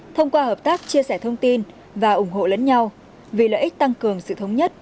thông qua hợp tác chia sẻ thông tin và ủng hộ lẫn nhau vì lợi ích tăng cường sự thống nhất